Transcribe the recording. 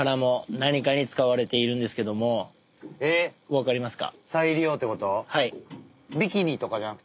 分かりますか？